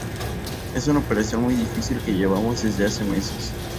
Es una operación muy difícil que llevamos desde hace meses.